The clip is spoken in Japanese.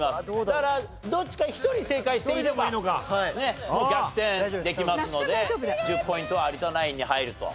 だからどっちか１人正解していれば逆転できますので１０ポイントは有田ナインに入ると。